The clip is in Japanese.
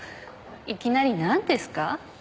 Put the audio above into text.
いきなりなんですか？